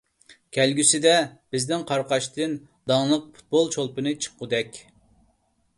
كەلگۈسىدە بىزنىڭ قاراقاشتىن داڭلىق پۇتبول چولپىنى چىققۇدەك.